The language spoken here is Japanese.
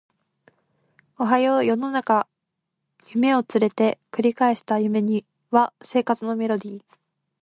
おはよう世の中夢を連れて繰り返した夢には生活のメロディ